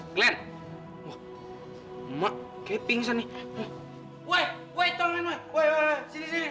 naruh yang sederhana saja bisa ngedih observasi